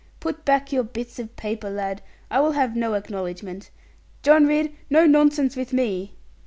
Put back your bits of paper, lad; I will have no acknowledgment. John Ridd, no nonsense with me!'